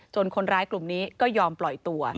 คนร้ายกลุ่มนี้ก็ยอมปล่อยตัว